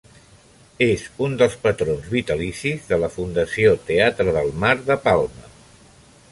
És un dels patrons vitalicis de la Fundació Teatre del Mar de Palma.